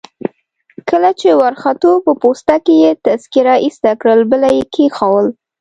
کله چي وروختو په پوسته کي يې تذکیره ایسته کړل، بله يي کښېښول.